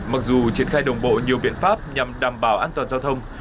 mặc dù triển khai đồng bộ nhiều biện pháp nhằm đảm bảo an toàn giao thông